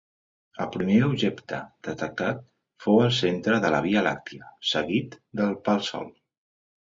El primer objecte detectat fou el centre de la Via Làctia, seguit pel Sol.